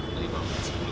saya sampai kesini